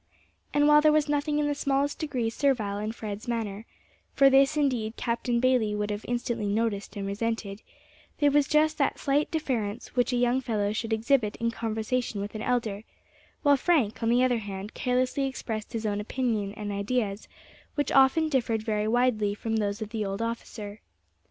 And while there was nothing in the smallest degree servile in Fred's manner for this indeed Captain Bayley would have instantly noticed and resented there was just that slight deference which a young fellow should exhibit in conversation with an elder, while Frank, on the other hand, carelessly expressed his own opinion and ideas, which often differed very widely from those of the old officer.